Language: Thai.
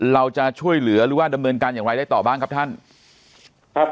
เราจะช่วยเหลือหรือว่าดำเนินการอย่างไรได้ต่อบ้างครับท่านครับ